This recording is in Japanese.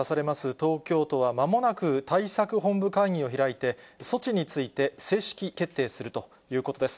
東京都は、まもなく対策本部会議を開いて、措置について正式決定するということです。